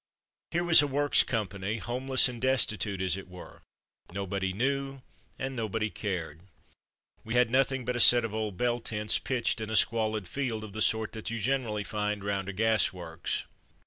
Here was a Works com pany, homeless and destitute as it were. Nobody knew, and nobody cared. We had 78 From Mud to Mufti nothing but a set of old bell tents pitched in a squalid field of the sort that you generally find round a gas works.